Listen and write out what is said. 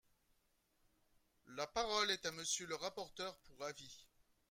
La parole est à Monsieur le rapporteur pour avis.